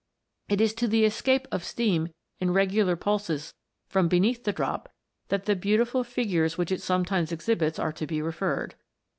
" It is to the escape of steam in regular pulses from beneath the drop that the beautiful figures which it sometimes exhibits are to be referred.